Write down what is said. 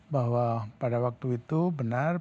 bahwa pada waktu itu benar